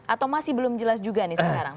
atau masih belum jelas juga nih sekarang